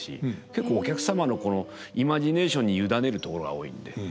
結構お客様のイマジネーションに委ねるところが多いんで。